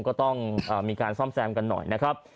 ก็ต้องมีการซ่อมแซมกันหน่อยนะครับ